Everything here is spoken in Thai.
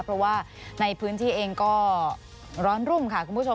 เพราะว่าในพื้นที่เองก็ร้อนรุ่มค่ะคุณผู้ชม